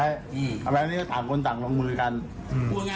แต่ไม่ละนี่ก็ต่างคนต่างลงมือยังไง